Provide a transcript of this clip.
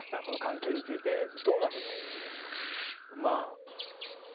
この関係についてどんなふうにお思いですか？